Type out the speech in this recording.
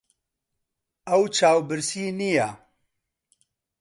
ئەو چاوبرسی نییە.